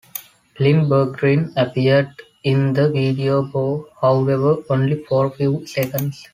Linn Berggren appeared in the video, however only for a few seconds.